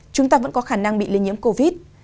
chúng ta vẫn có khả năng bị lây nhiễm covid